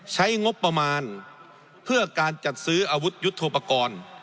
ใช้งบประมาณเพื่อการจัดซื้ออาวุธยุทธโปรกรณ์